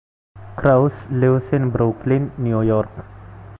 Krauss lives in Brooklyn, New York.